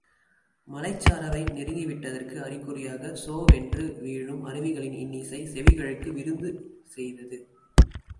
மலைச்சாரவை நெருங்கிவிட்டதற்கு அறிகுறியாகச் so வென்று வீழும் அருவிகளின் இன்னிசை செவிகளுக்கு விருந்து செய்தது.